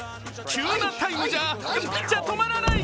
急なタイムじゃピッチャー止まらない。